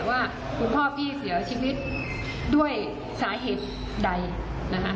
ว่าคุณพ่อพี่เสียชีวิตด้วยสาเหตุใดนะคะ